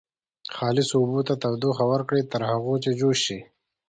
خالصو اوبو ته تودوخه ورکړئ تر هغو چې جوش شي.